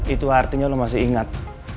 itu artinya lo masih ingat